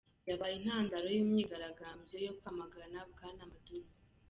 Yabaye intandaro y'imyigaragambyo yo kwamagana Bwana Maduro.